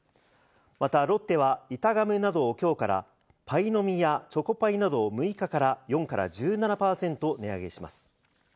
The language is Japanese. またロッテは板ガムなどを今日から、パイの実やチョコパイなどを６日から４から１７％値上げします。